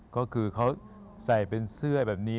ก็คือเขาใส่เป็นเสื้อแบบนี้